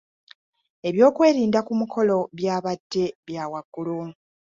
Eby'okwerinda ku mukolo by'abadde bya waggulu.